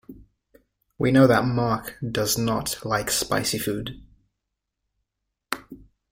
We know that Mark does not like spicy food.